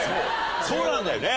そうなんだよね。